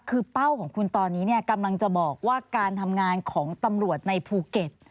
คือเป้าของคุณตอนนี้เนี่ยกำลังจะบอกว่าการทำงานของตำรวจในภูเก็ต